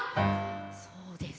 そうです。